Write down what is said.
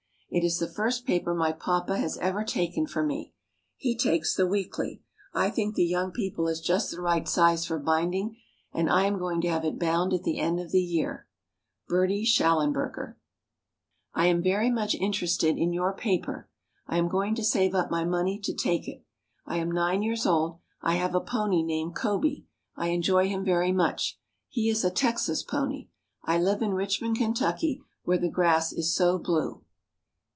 It is the first paper my papa has ever taken for me. He takes the Weekly. I think the Young People is just the right size for binding, and I am going to have it bound at the end of the year. BERTIE SHALLENBERGER. I am very much interested in your paper. I am going to save up my money to take it. I am nine years old. I have a pony named Coby. I enjoy him very much. He is a Texas pony. I live in Richmond, Kentucky, where the grass is so blue.